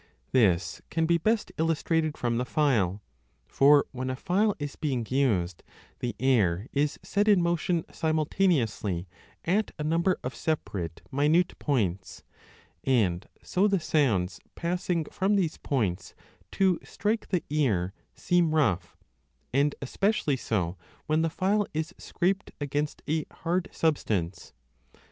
This can be best illustrated from 10 the file; for, when a file is being used, the air is set in motion simultaneously at a number of separate minute, points, and so the sounds passing from these points to strike the ear seem rough, and especially so when the file is scraped against a hard substance.